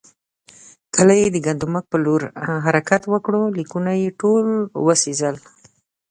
کله یې د ګندمک پر لور حرکت وکړ، لیکونه یې ټول وسوځول.